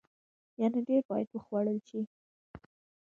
يعنې ډیر باید وخوړل شي.